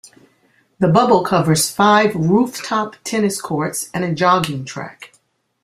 The Bubble covers five roof-top tennis courts and a jogging track.